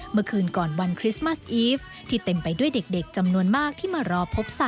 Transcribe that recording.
เมื่อคืนก่อนวันคริสต์มัสอีฟที่เต็มไปด้วยเด็กจำนวนมากที่มารอพบศพ